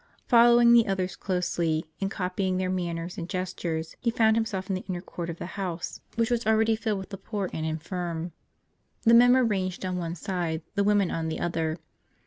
Following the others closely, and copying their manners and gestures, he found himself in the inner coui t of the house, which was already filled with the poor and intirm. The men were ranged on one side, the women on the other.